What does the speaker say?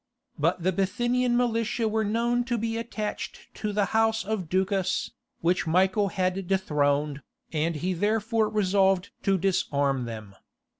But the Bithynian militia were known to be attached to the house of Ducas, which Michael had dethroned, and he therefore resolved to disarm them.